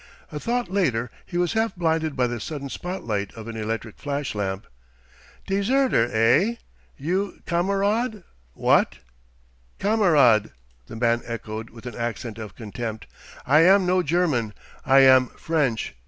A thought later, he was half blinded by the sudden spot light of an electric flash lamp. "Deserter, eh? You kamerad wot?" "Kamerad!" the man echoed with an accent of contempt. "I am no German I am French.